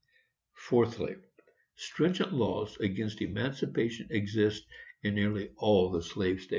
Fourthly. Stringent laws against emancipation exist in nearly all the slave states.